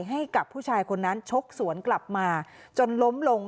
ให้กับผู้ชายคนนั้นชกสวนกลับมาจนล้มลง